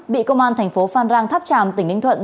bị công an thành phố phan rang tháp tràm tỉnh ninh thuận